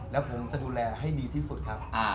แล้วผมจะดูแลให้ดีที่สุดครับ